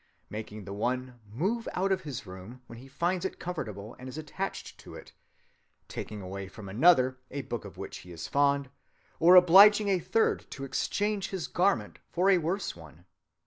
making the one move out of his room when he finds it comfortable and is attached to it; taking away from another a book of which he is fond; or obliging a third to exchange his garment for a worse one.